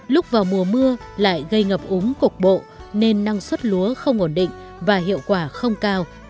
lúc vào mùa mưa lại gây ngập úng cục bộ nên năng suất lúa không ổn định và hiệu quả không cao